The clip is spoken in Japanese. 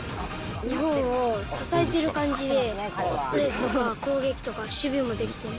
日本を支えてる感じで、プレスとか攻撃とか、守備もできてる。